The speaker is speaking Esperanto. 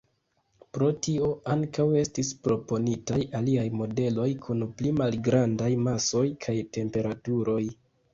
Pro tio, ankaŭ estis proponitaj aliaj modeloj kun pli malgrandaj masoj kaj temperaturoj.